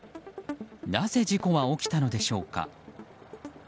なぜ事故は起きたのでしょうか。